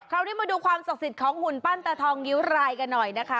คราวนี้มาดูความศักดิ์สิทธิ์ของหุ่นปั้นตาทองนิ้วรายกันหน่อยนะคะ